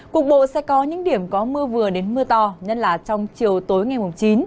cục bộ sẽ có những điểm có mưa vừa đến mưa to nhất là trong chiều tối ngày chín